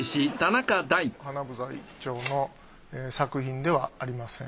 英一蝶の作品ではありません。